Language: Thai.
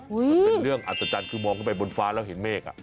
มันเป็นเรื่องอัศจรรย์คือมองขึ้นไปบนฟ้าแล้วเห็นเมฆ